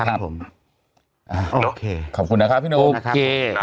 ครับผมโอเคขอบคุณนะครับพี่หนุ่ม